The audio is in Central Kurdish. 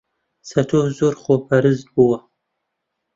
چەتۆ زۆر خۆپەرست بووە.